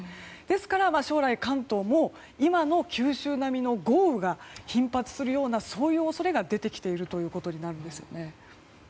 ですから将来、関東も今の九州並みの豪雨が頻発するような恐れが出てきているんですね。